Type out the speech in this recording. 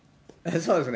そうですね。